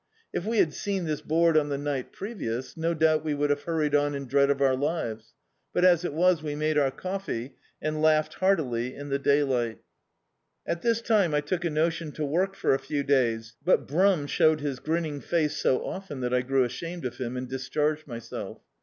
If we had seen this board on the night previous, no doubt we would have hurried on in dread of our lives, but as it was, we made our coffee and lauded hcarrily in the dayli^L At this time I took a notion to work for a few days, but Brum showed his grinning face so often that I grew ashamed of him, and discharged myself.